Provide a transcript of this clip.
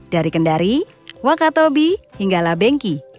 dari kendari wakatobi hinggalah banki